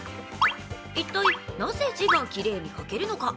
一体なぜ字がきれいに書けるのか？